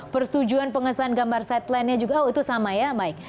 persetujuan pengesahan gambar site plannya juga oh itu sama ya baik